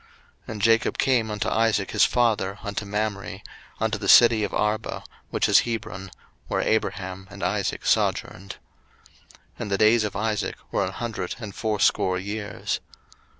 01:035:027 And Jacob came unto Isaac his father unto Mamre, unto the city of Arbah, which is Hebron, where Abraham and Isaac sojourned. 01:035:028 And the days of Isaac were an hundred and fourscore years.